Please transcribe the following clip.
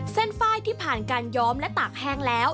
เส้นไฟล์ที่ผ่านการย้อมและตากแห้งแล้ว